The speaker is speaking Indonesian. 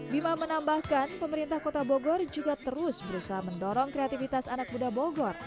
bima menambahkan pemerintah kota bogor juga terus berusaha mendorong kreativitas anak muda bogor